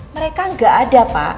mereka nggak ada pak